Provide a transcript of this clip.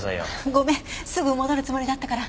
ごめんすぐ戻るつもりだったから。